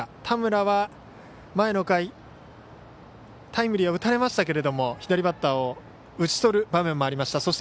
田村は、前の回タイムリーを打たれましたが左バッターを打ち取る場面もありました。